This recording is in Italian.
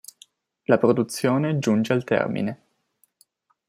La produzione giunge al termine.